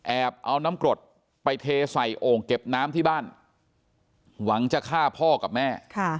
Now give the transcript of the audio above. เอาน้ำกรดไปเทใส่โอ่งเก็บน้ำที่บ้านหวังจะฆ่าพ่อกับแม่